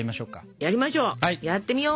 やりましょう。